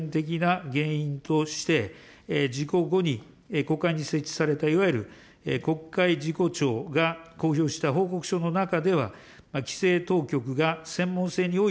そして事故の根源的な原因として、事故後に国会に設置されたいわゆる国会事故調が公表した報告書の中では、規制当局が専門性におい